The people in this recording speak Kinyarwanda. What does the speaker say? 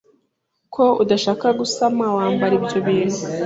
ko udashaka gusama wambara ibyo bintu